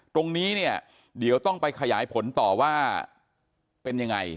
ตรงนี้เนี่ยเดี๋ยวต้องไปขยายผลต่อว่าเป็นยังไง